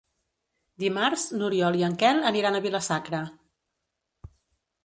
Dimarts n'Oriol i en Quel aniran a Vila-sacra.